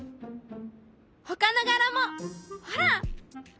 ほかの柄もほら！